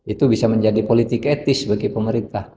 itu bisa menjadi politik etis bagi pemerintah